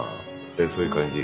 そういう感じ。